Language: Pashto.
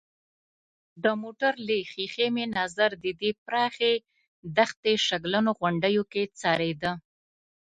د موټر له ښېښې مې نظر د دې پراخې دښتې شګلنو غونډیو کې څرېده.